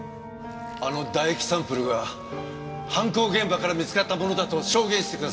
あの唾液サンプルが犯行現場から見つかったものだと証言してください。